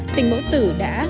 tình mẫu tử đã